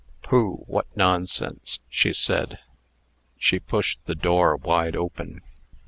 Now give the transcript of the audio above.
"Pooh! what nonsense!" she said. She pushed the door wide open.